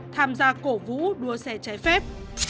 tham gia cổ vũ đua xe trái phép